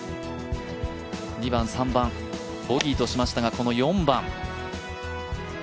２番、３番、ボギーとしましたがこの４番。